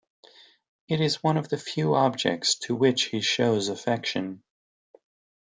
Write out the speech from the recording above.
It is one of the few objects to which he shows affection.